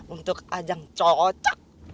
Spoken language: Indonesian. untuk ajang cocok